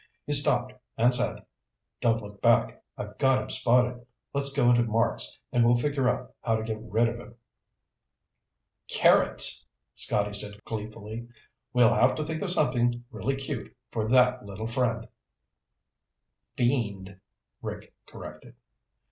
He stopped and said, "Don't look back. I've got him spotted. Let's go into Mark's and we'll figure out how to get rid of him." "Carrots," Scotty said gleefully. "We'll have to think of something really cute for that little friend." "Fiend," Rick corrected.